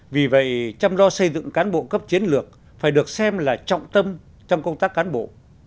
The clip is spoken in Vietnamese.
vì vậy chăm lo xây dựng cán bộ cấp chiến lược phải được xem là trọng tâm trong công tác cán bộ